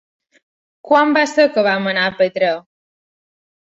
Quan va ser que vam anar a Petrer?